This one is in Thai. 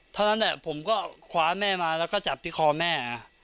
เท่านั้นแหละผมก็คว้าแม่มาแล้วก็จับที่คอแม่